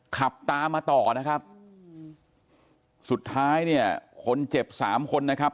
ขับตามมาต่อนะครับสุดท้ายเนี่ยคนเจ็บสามคนนะครับ